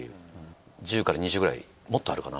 １０から２０くらいもっとあるかな。